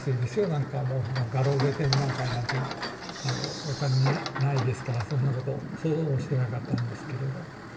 なんかもう画廊で展覧会なんてお金ないですからそんなこと想像もしてなかったんですけれど。